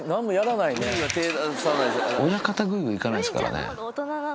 親方ぐいぐいいかないですから。